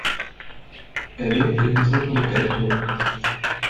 Er lebt in bedrückender Geldnot.